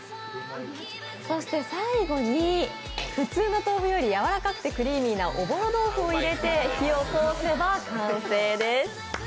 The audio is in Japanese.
そして最後に普通の豆腐よりやわらかくてクリーミーなおぼろ豆腐を入れて火を通せば完成です。